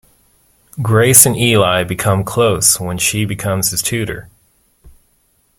Grace and Eli become close when she becomes his tutor.